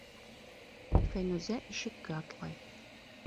Фәнүзә ишеккә атлай.